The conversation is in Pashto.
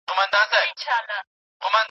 تاسي کله په ژوند کي ریښتینې خوشحالي لیدلې؟